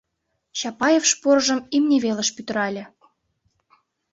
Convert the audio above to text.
Чапаев шпоржым имне велыш пӱтырале.